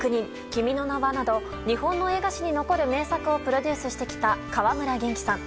「君の名は。」など日本の映画史に残る名作をプロデュースしてきた川村元気さん。